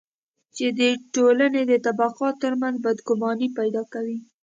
چې د ټولنې د طبقاتو ترمنځ بدګماني پیدا کوي.